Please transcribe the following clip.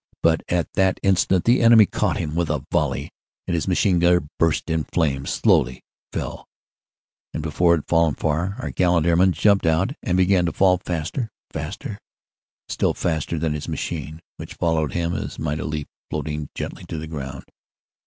But at that instant the enemy caught him with a volley, and his machine burst in flames. Slowly it fell, and before it had fallen far, our gallant airman jumped out and began to fall faster, faster, and still faster than his machine, which followed him as might a leaf floating gently to the ground.